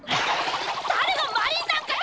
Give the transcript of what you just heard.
誰がマリンなんかと！